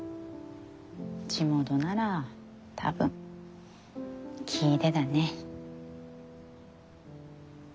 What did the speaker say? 地元なら多分聴いでだね。